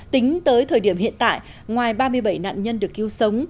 tính tới thời điểm hiện tại ngoài ba mươi bảy nạn nhân được cứu sống